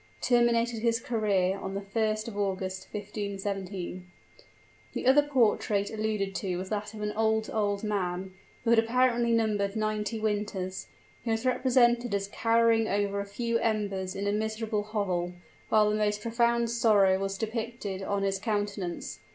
terminated his career on the 1st of August, 1517." The other portrait alluded to was that of an old old man, who had apparently numbered ninety winters. He was represented as cowering over a few embers in a miserable hovel, while the most profound sorrow was depicted on his countenance.